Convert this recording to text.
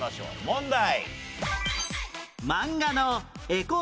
問題。